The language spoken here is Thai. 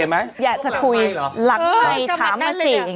อยากจะถามมาเศษ